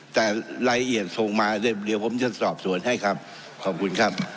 แต่รายละเอียดส่งมาเดี๋ยวผมจะสอบสวนให้ครับขอบคุณครับ